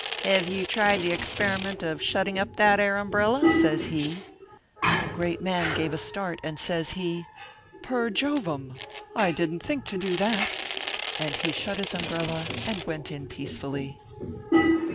" Hev you tried the experiment of shutting up that air umbrella ?" says he. The great man gave a start, and says he :" Per Jovem I I didn t think to do that." And he shut his umbrella and went in peacefully.